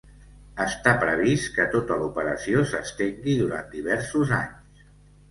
Està previst que tota l'operació s'estengui durant diversos anys.